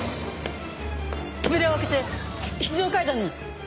扉を開けて非常階段に！